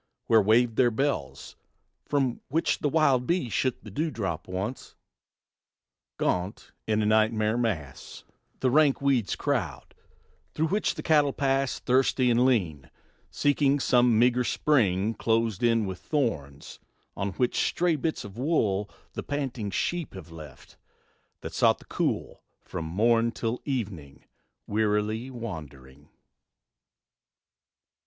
Where waved their bells, from which the wild bee shook The dew drop once, gaunt, in a nightmare mass, The rank weeds crowd; through which the cattle pass, Thirsty and lean, seeking some meagre spring, Closed in with thorns, on which stray bits of wool The panting sheep have left, that sought the cool, From morn till evening wearily wandering.